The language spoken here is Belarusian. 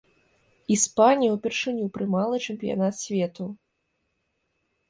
Іспанія ўпершыню прымала чэмпіянат свету.